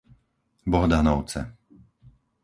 Bohdanovce